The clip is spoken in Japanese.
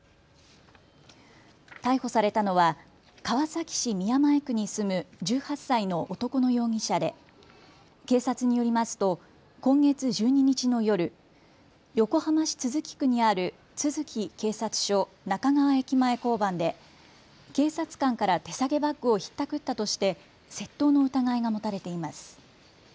逮捕されたのは川崎市宮前区に住む１８歳の男の容疑者で警察によりますと今月１２日の夜、横浜市都筑区にある都筑警察署中川駅前交番で警察官から手提げバッグをひったくったとして窃盗の疑いが持たれています。